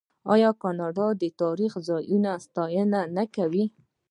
آیا کاناډا د تاریخي ځایونو ساتنه نه کوي؟